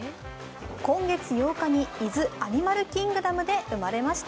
今月８日に伊豆アニマルキングダムで生まれました。